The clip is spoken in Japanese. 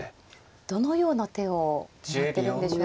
どのような手を狙ってるんでしょうか。